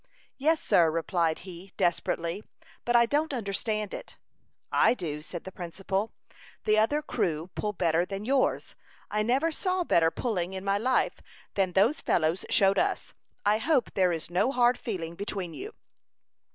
"Yes, sir," replied he, desperately; "but I don't understand it." "I do," said the principal. "The other crew pull better than yours. I never saw better pulling in my life than those fellows showed us. I hope there is no hard feeling between you."